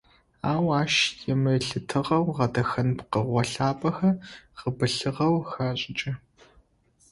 Ау ащ емылъытыгъэу гъэдэхэн пкъыгъо лъапӏэхэр гъэбылъыгъэу хашӏыкӏы.